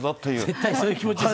絶対そういう気持ちですよね。